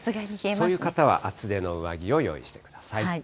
そういう方は厚手の上着を用意してください。